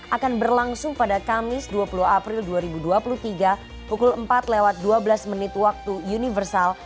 akan berlangsung pada kamis dua puluh april dua ribu dua puluh tiga pukul empat lewat dua belas menit waktu universal